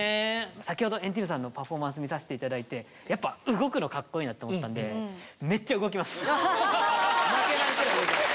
先ほど＆ＴＥＡＭさんのパフォーマンス見させて頂いてやっぱ動くのかっこいいなと思ったんで負けないくらい動きます。